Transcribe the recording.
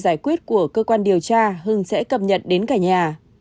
giải quyết của cơ quan điều tra hưng sẽ cập nhật đến cả nhà